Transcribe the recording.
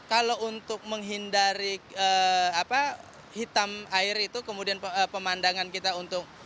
kalau untuk menghindari hitam air itu kemudian pemandangan kita untuk